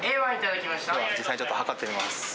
では実際、ちょっと計ってみます。